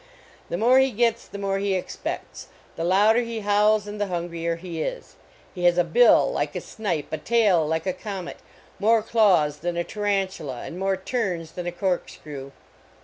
The more he gets the more he expects, the louder he howls and the hungrier he is ; he has a bill like a snipe, a tale like a comet, more clause than a tarantula, and more turns than a cork screw.